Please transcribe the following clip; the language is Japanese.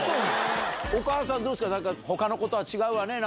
お母さんどうですか？